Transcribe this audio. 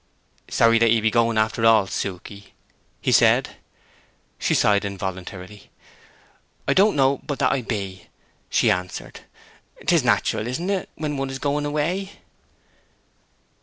"Sorry that you be going, after all, Suke?" he said. She sighed involuntarily. "I don't know but that I be," she answered. "'Tis natural, isn't it, when one is going away?"